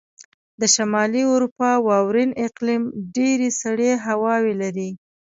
د شمالي اروپا واورین اقلیم ډېرې سړې هواوې لرلې.